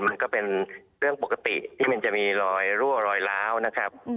มันก็เป็นเรื่องปกติที่มันจะมีรอยรั่วรอยล้าวนะครับ